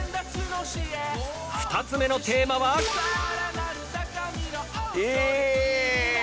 ２つ目のテーマは。え！？